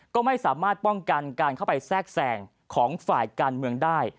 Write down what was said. ก็ไม่สามารถป้องกันการเข้าไปแทรกแสงของฝ่ายการเมืองได้